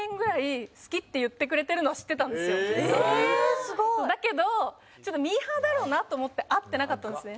すごい！だけどちょっとミーハーだろうなと思って会ってなかったんですね。